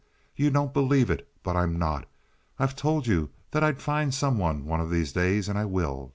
You don't believe it, but I'm not. I told you that I'd find some one one of these days, and I will.